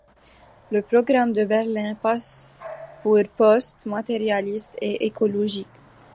Le programme de Berlin passe pour post-matérialiste et écologique.